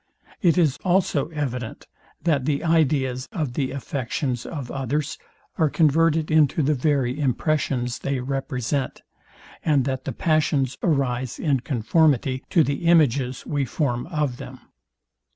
It is also evident, that the ideas of the affections of others are converted into the very impressions they represent, and that the passions arise in conformity to the images we form of them.